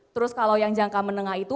terus kalau yang jangka menengah itu